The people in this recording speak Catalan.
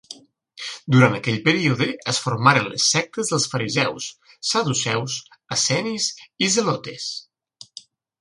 Durant aquell període es formaren les sectes dels fariseus, saduceus, essenis i zelotes.